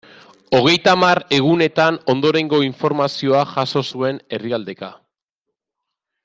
Hogeita hamar egunetan ondorengo informazioa jaso zuen herrialdeka.